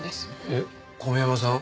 えっ小宮山さん